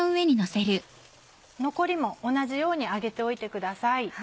残りも同じように揚げておいてください。